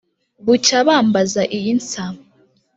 Bucya bambaza iyi nsa.